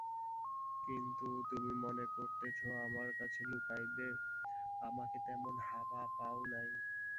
কিন্তু তুমি মনে করিতেছ আমার কাছে লুকাইবে–আমাকে তেমন হাবা পাও নাই।